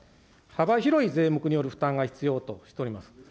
幅広い税目による負担が必要としております。